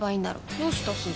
どうしたすず？